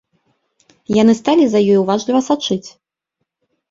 Яны сталі за ёй уважліва сачыць.